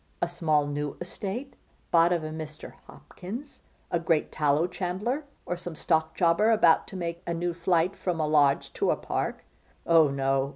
A small, new estate! Bought of a Mr. Hopkins, a great tallow chandler, or some stock jobber about to make a new flight from a Lodge to a Park. Oh no!